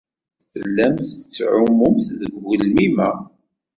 Tellamt tettɛumumt deg ugelmim-a.